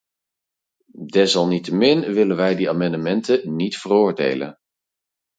Desalniettemin willen wij die amendementen niet veroordelen.